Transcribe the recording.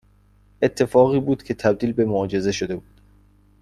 اتفاقی بود که تبدیل به معجزه شده بود